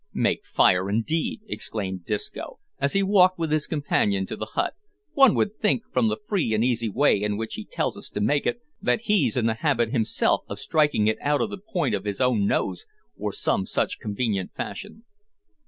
"Make fire indeed!" exclaimed Disco, as he walked with his companion to the hut; "one would think, from the free and easy way in which he tells us to make it, that he's in the habit himself of striking it out o' the point o' his own nose, or some such convenient fashion."